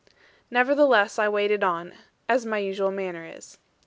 Nevertheless, I waited on; as my usual manner is.